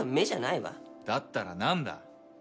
だったらなんだ？